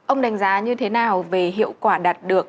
ông đánh giá như thế nào về hiệu quả đạt được